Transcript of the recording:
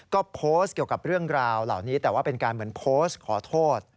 ก็โพสต์เกี่ยวกับเรื่องราวเหล่านี้แต่ว่าเป็นการเหมือนโพสต์ขอโทษ